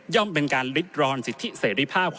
ย่อมเป็นการลิดรอนสิทธิเสร็จริภาพ